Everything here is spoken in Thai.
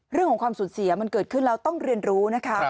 เรื่องของความสูญเสียมันเกิดขึ้นแล้วต้องเรียนรู้นะคะ